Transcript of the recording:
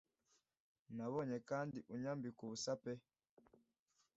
Nabonye kandi unyambika ubusa pe